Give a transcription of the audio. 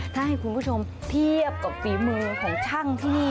ถ้าให้คุณผู้ชมเทียบกับฝีมือของช่างที่นี่